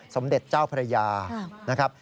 สมเด็จเจ้าพรรยา